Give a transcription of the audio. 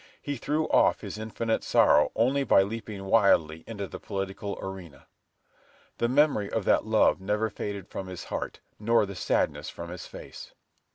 He threw off his infinite sorrow only by leaping wildly into the political arena." The memory of that love never faded from his heart, nor the sadness from his face.